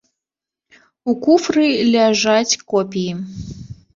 У куфры ляжаць копіі.